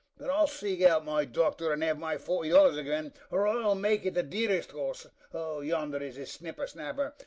But I'll seek out my doctor, and have my forty dollars again, or I'll make it the dearest horse! O, yonder is his snipper snapper.